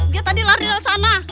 dia tadi lari dari sana